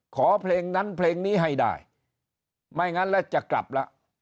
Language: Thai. ขอเพลงนั้นเพลงนี้ให้ได้ไม่งั้นแล้วจะกลับละ